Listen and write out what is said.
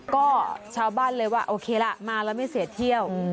ก็ชาวบ้านเลยว่าโอเคล่ะมาแล้วไม่เสียเที่ยว